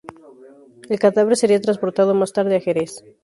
El cadáver sería transportado más tarde a Jerez.